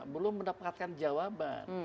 belum mendapatkan jawaban